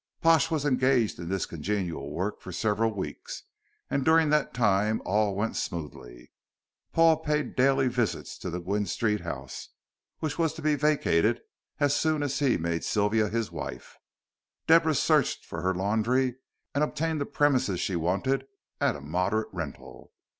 Pash was engaged in this congenial work for several weeks, and during that time all went smoothly. Paul paid daily visits to the Gwynne Street house, which was to be vacated as soon as he made Sylvia his wife. Deborah searched for her laundry and obtained the premises she wanted at a moderate rental.